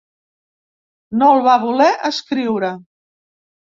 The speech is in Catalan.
No el va voler escriure.